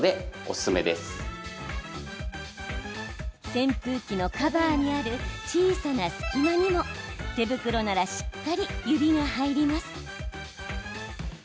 扇風機のカバーにある小さな隙間にも、手袋ならしっかり指が入ります。